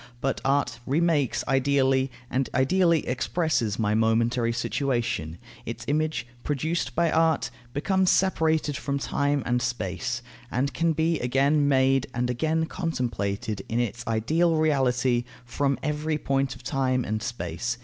But art remakes ideally, and ideally expresses my momentary situation. Its image, produced by art, becomes separated from time and space, and can be again made and again contemplated in its ideal reality from every point of time and space.